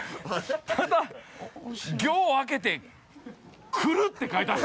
ただ行を空けて「来る」って書いてある！